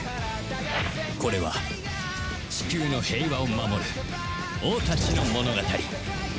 これはチキューの平和を守る王たちの物語